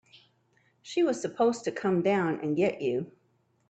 She was supposed to come down and get you.